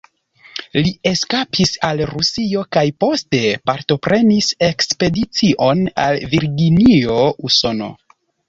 Li eskapis al Rusio kaj poste partoprenis ekspedicion al Virginio, Usono.